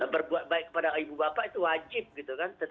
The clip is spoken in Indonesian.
berbuat baik kepada ibu bapak itu wajib gitu kan